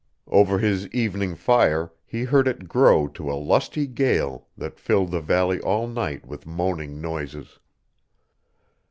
Over his evening fire he heard it grow to a lusty gale that filled the valley all night with moaning noises.